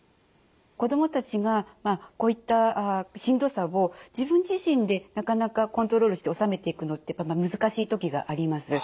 子どもたちがこういったしんどさを自分自身でなかなかコントロールして収めていくのって難しい時があります。